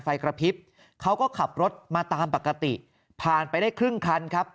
ไฟกระพริบเขาก็ขับรถมาตามปกติผ่านไปได้ครึ่งคันครับ